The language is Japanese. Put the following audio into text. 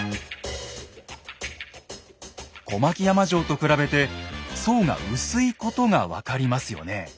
小牧山城と比べて層が薄いことが分かりますよね。